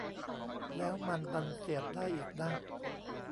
แล้วมันดันเสียบได้อีกนะ